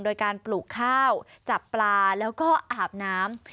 โดยการปลูกข้าวจับปลาแล้วก็อาบน้ำ